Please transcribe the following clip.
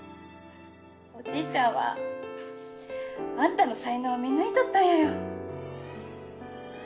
おじいちゃんはあんたの才能見抜いとったんやよ。